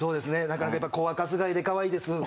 なかなかやっぱ子はかすがいでかわいいです。